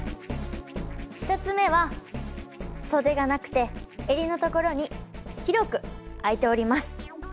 １つ目は袖がなくて襟のところに広く開いております。